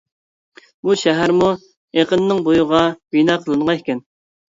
بۇ شەھەرمۇ ئېقىننىڭ بويىغا بىنا قىلىنغان ئىكەن.